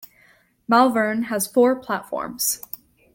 Malvern has four platforms.